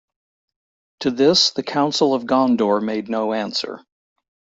To this, the Council of Gondor made no answer.